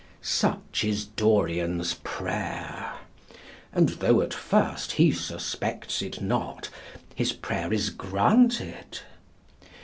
Such is Dorian's prayer; and, though at first he suspects it not, his prayer is granted.